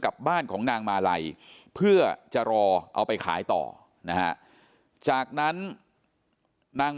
กับบ้านของนางมาลัยเพื่อจะรอเอาไปขายต่อนะฮะจากนั้นนาง